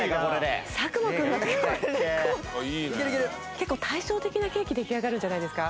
結構対照的なケーキ出来上がるんじゃないですか？